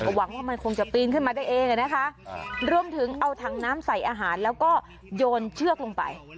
หวังว่ามันคงจะปีนขึ้นมาได้เองอ่ะนะคะรวมถึงเอาถังน้ำใส่อาหารแล้วก็โยนเชือกลงไป